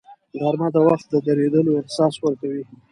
غرمه د وخت د درېدلو احساس ورکوي